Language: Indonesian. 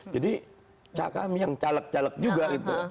jadi cakam yang caleg caleg juga gitu